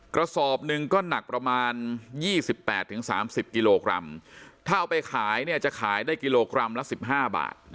กระสอบหนึ่งก็หนักประมาณยี่สิบแปดถึงสามสิบกิโลกรัมถ้าเอาไปขายเนี่ยจะขายได้กิโลกรัมละสิบห้าบาท